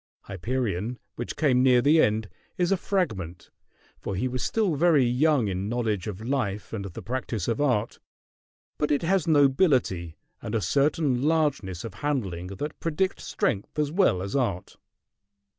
"Hyperion," which came near the end, is a fragment, for he was still very young in knowledge of life and the practice of art; but it has nobility and a certain largeness of handling that predict strength as well as art.